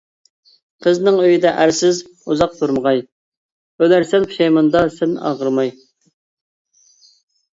قىزىڭ ئۆيدە ئەرسىز ئۇزاق تۇرمىغاي، ئۆلەرسەن پۇشايماندا سەن ئاغرىماي.